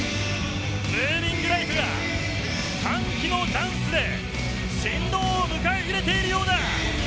ムービングライトが歓喜のダンスで神童を迎え入れているようだ！